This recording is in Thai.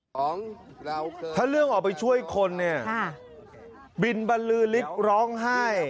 ถ้าเรื่องออกไปช่วยคนบินบ้านรือฤกษ์ร้องไห้